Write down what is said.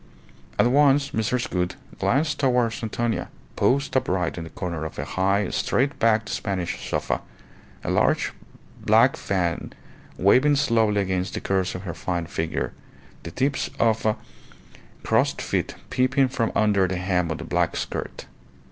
At once Mrs. Gould glanced towards Antonia, posed upright in the corner of a high, straight backed Spanish sofa, a large black fan waving slowly against the curves of her fine figure, the tips of crossed feet peeping from under the hem of the black skirt.